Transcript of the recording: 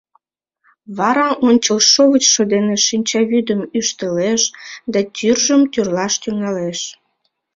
Вара ончылшовычшо дене шинчавӱдым ӱштылеш да тӱржым тӱрлаш тӱҥалеш.